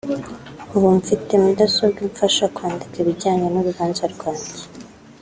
ubu mfite mudasobwa imfasha kwandika ibijyanye n’urubanza rwanjye